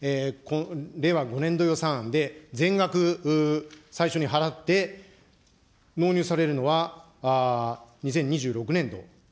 令和５年度予算案で全額最初に払って、納入されるのは２０２６年度。